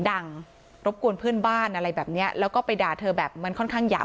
รบกวนเพื่อนบ้านอะไรแบบเนี้ยแล้วก็ไปด่าเธอแบบมันค่อนข้างหยาบ